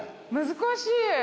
難しい。